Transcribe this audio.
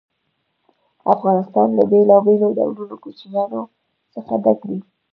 افغانستان له بېلابېلو ډولونو کوچیانو څخه ډک دی.